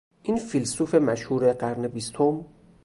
این فیلسوف مشهور قرن بیستم